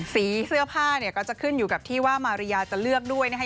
สีเสื้อผ้าเนี่ยก็จะขึ้นอยู่กับที่ว่ามาริยาจะเลือกด้วยนะคะ